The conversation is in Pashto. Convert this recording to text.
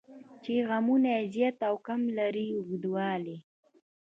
چې غمونه زیات او کم لري اوږدوالی.